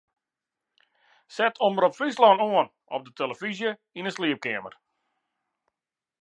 Set Omrop Fryslân oan op de tillefyzje yn 'e sliepkeamer.